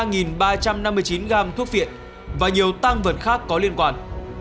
ba ba trăm năm mươi chín gam thuốc viện và nhiều tăng vật khác có liên quan